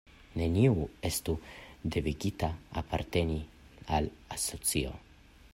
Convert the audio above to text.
Neniu estu devigita aparteni al asocio.